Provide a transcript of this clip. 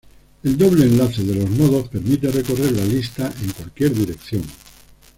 El doble enlace de los nodos permite recorrer la lista en cualquier dirección.